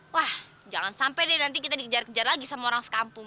wah jangan sampai deh nanti kita dikejar kejar lagi sama orang sekampung